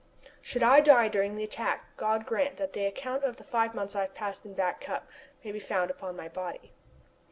Should I die during the attack God grant that the account of the five months I have passed in Back Cup may be found upon my body!